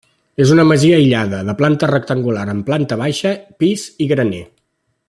És una masia aïllada, de planta rectangular, amb planta baixa, pis i graner.